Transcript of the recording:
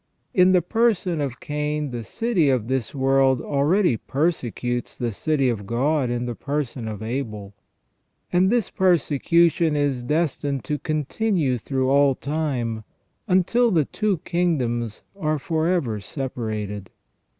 In the person of Cain the city of this world already persecutes the city of God in the person of Abel, and this persecution is destined to continue through all time, until the two kingdoms are for ever separated.